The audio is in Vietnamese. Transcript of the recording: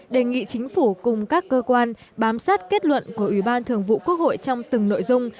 đề nghị chính phủ cùng các cơ quan bám sát kết luận của ủy ban thường vụ quốc hội trong từng nội dung